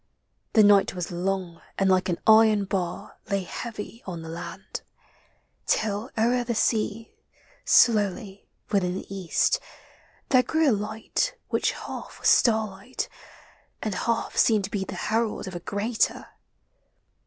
The night was long and like an iron bar Lay heavy on the land : till o'er the sea Slowly, within the East, there grew a light Which half was starlight, and half seemed to be The herald of a greater.